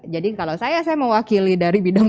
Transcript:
jadi kalau saya saya mewakili dari bidang